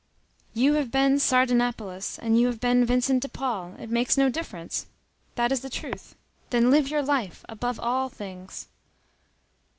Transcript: You have been Sardanapalus, you have been Vincent de Paul—it makes no difference. That is the truth. Then live your life, above all things.